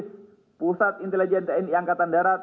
d badan intelijen strategis tni badanional prestasi